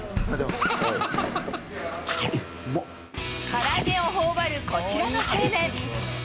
から揚げをほおばる、こちらの青年。